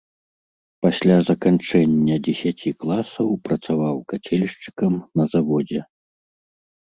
Пасля заканчэння дзесяці класаў працаваў кацельшчыкам на заводзе.